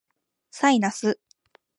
サイナス